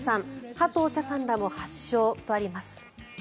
加藤茶さんらも発症とあります。